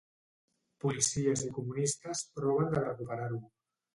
Policies i comunistes proven de recuperar-ho.